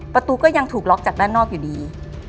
ประตูก็ยังถูกล็อกจากด้านนอกอยู่ดี